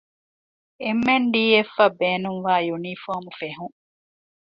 އެމް.އެން.ޑީ.އެފްއަށް ބޭނުންވާ ޔުނީފޯމު ފެހުން